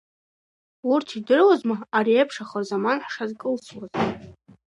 Урҭ ирдыруазма, ариеиԥш ахырзаман ҳшазкылсуаз?